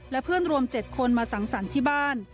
และเพื่อนรวม๗คนมาสังสรรค์ที่บ้าน